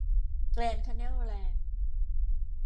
แกรนด์ คาแนล แลนด์